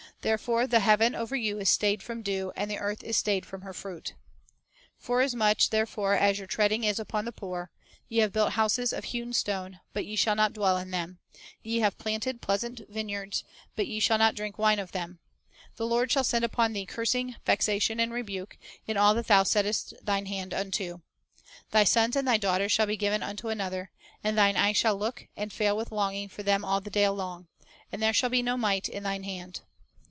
"Therefore the heaven over you is stayed from dew, and the earth is stayed from her fruit." 1 "Forasmuch therefore as your treading is upon the poor, ... ye have built houses of hewn stone, but Gains That .... Impoverish ye shall not dwell in them; ye have planted pleasant vineyards, but ye shall not drink wine of them." "The Lord shall send upon thee cursing, vexation, and re buke, in all that thou settest thine hand unto." "Thy sons and thy daughters shall be given unto another, ... and thine eyes shall look, and fail with longing for them all the day long; and there shall be no might in thine hand."